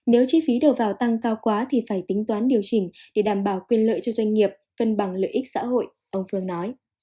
nếu chi phí đầu vào tăng cao quá thì phải tính toán điều chỉnh để đảm bảo quyền lợi cho doanh nghiệp cân bằng lợi ích xã hội ông phương nói